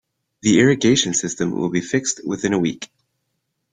The irrigation system will be fixed within a week.